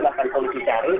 bahkan konsepnya habis di situ